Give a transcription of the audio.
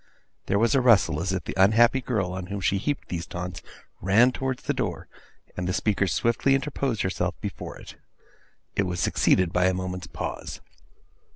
There was a rustle, as if the unhappy girl, on whom she heaped these taunts, ran towards the door, and the speaker swiftly interposed herself before it. It was succeeded by a moment's pause.